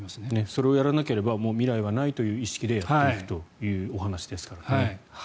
それをやらなければ未来はないという意識でやっていくというお話ですからね。